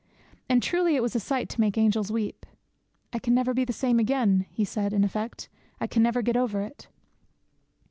And truly it was a sight to make angels weep. 'I can never be the same again,' he said in effect, 'I can never get over it!'